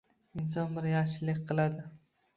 Inson bir yaxshilik qiladi.